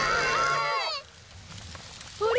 あれ？